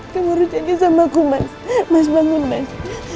kamu harus janji sama aku mas mas bangun mas